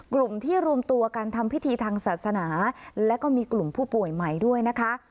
กลุ่มที่รวมตัวกันทำพิธีทางศาสนาและก็มีกลุ่มผู้ป่วยใหม่ด้วยนะคะ